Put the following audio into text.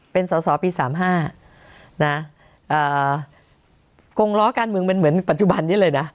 เป็นสอสอปี๓๕นะกงล้อการเมืองเป็นเหมือนปัจจุบันนี้เลยนะ